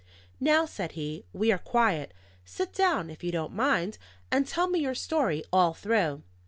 "Now," said he, "we are quiet. Sit down, if you don't mind, and tell me your story all through."